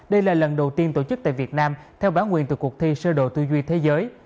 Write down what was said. đây là lần đầu tiên tổ chức tại việt nam theo bản quyền từ cuộc thi sơ đồ tư duy thế giới